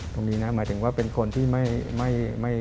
ตรงนี้นะหมายถึงว่าเป็นคนที่ไม่